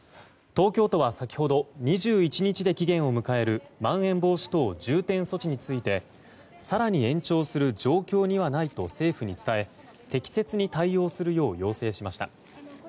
東京都は先ほど２１日で期限を迎えるまん延防止等重点措置について更に延長する状況にはないと政府に伝え適切に対応するよう要請しました。